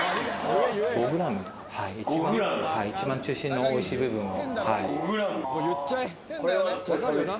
一番中心のおいしい部分を。